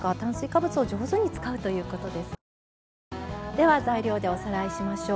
では材料でおさらいしましょう。